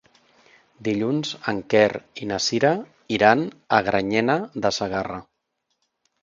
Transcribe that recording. Dilluns en Quer i na Sira iran a Granyena de Segarra.